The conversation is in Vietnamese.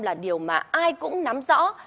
là điều mà ai cũng nắm rõ